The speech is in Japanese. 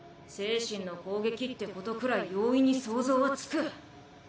精神の攻撃ってことくらい容易に想像はつく。